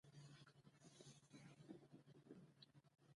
په افغانستان کې اوښ ډېر زیات اهمیت لري.